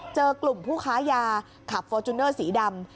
เจอกลุ่มผู้ค้ายาขับฟอร์จูเนอร์สีดำ